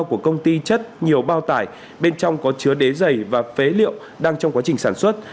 của công ty chất nhiều bao tải bên trong có chứa đế dày và phế liệu đang trong quá trình sản xuất